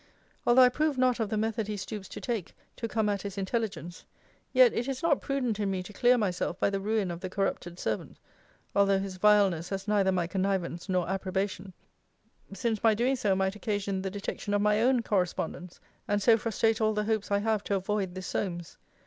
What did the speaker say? Although I approve not of the method he stoops to take to come at his intelligence, yet it is not prudent in me to clear myself by the ruin of the corrupted servant, (although his vileness has neither my connivance nor approbation,) since my doing so might occasion the detection of my own correspondence; and so frustrate all the hopes I have to avoid this Solmes.